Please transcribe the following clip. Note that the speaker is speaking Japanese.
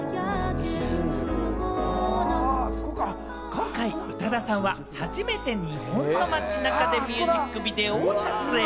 今回、宇多田さんは初めて日本の街中でミュージックビデオを撮影。